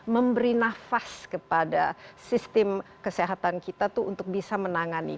memberi nafas kepada sistem kesehatan kita tuh untuk bisa menangani